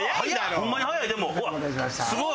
ホンマに早い！